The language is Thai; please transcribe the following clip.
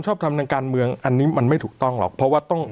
ชอบทำทางการเมืองอันนี้มันไม่ถูกต้องหรอกเพราะว่าต้อง